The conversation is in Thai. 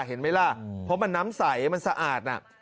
เพราะมันน้ำใสมันสะอาดน่ะ